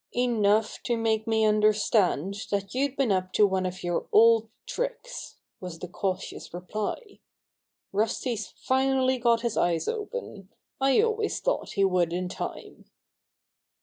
"Enough to make me understand that you'd been up to one of your old tricks," was the cautious reply. "Rusty's finally got his eyes open. I always thought he would in time."